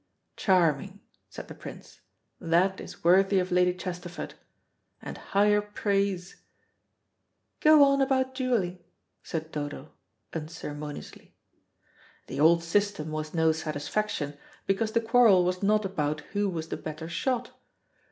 "Charming," said the Prince; "that is worthy of Lady Chesterford. And higher praise " "Go on about duelling," said Dodo, unceremoniously. "The old system was no satisfaction, because the quarrel was not about who was the better shot.